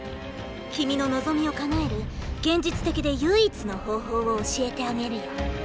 君の望みを叶える現実的で唯一の方法を教えてあげるよ。